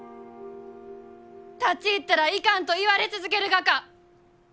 「立ち入ったらいかん」と言われ続けるがか？